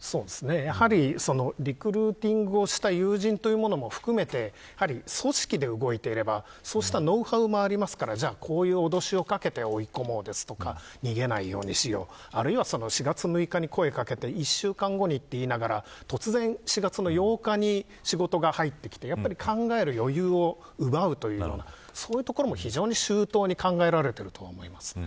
やはり、リクルーティングをした友人というものも含めて組織で動いていればそうしたノウハウもありますからこういうおどしをかけて追い込もうとか逃げないようにしようあるいは４月６日に声を掛けて１週間後にと言いながら突然４月８日に仕事が入ってきて考える余裕を奪うというそういうところも非常に周到に考えられていると思います。